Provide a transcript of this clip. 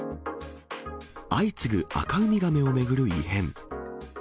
相次ぐアカウミガメを巡る異変。